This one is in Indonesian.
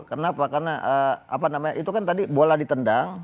kenapa karena apa namanya itu kan tadi bola ditendang